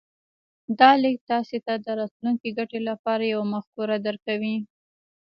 دا ليک تاسې ته د راتلونکې ګټې لپاره يوه مفکوره درکوي.